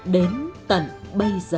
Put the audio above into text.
đến tận bây giờ